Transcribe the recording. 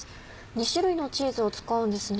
２種類のチーズを使うんですね。